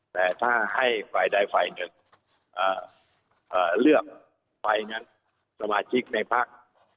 แต่ถ้าให้ฝ่ายใดฝ่ายหนึ่งเลือกไฟนั้นสมาชิกในพัก